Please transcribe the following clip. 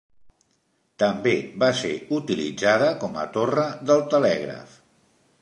També va ser utilitzada com a torre del telègraf.